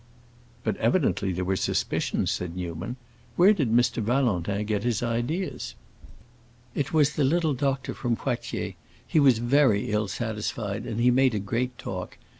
"But evidently there were suspicions," said Newman. "Where did Mr. Valentin get his ideas?" "It was the little doctor from Poitiers. He was very ill satisfied, and he made a great talk.